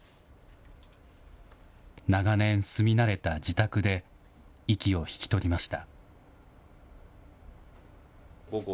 長年、住み慣れた自宅で、息を引き取りました。